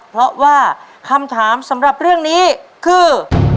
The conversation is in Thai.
เพราะว่าคำถามสำหรับเรื่องนี้คือ